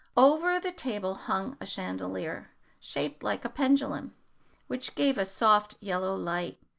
Over the table hung a chandelier, shaped like a pendulum, which gave a soft yellow light.